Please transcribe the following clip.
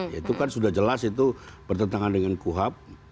itu kan sudah jelas itu bertentangan dengan kuhab